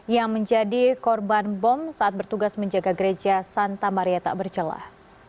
yang menjadi korban bom saat bertugas menjaga gereja santa maria tak bercelah